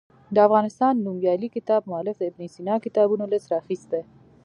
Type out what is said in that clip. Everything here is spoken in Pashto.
د افغانستان نومیالي کتاب مولف د ابن سینا کتابونو لست راخیستی.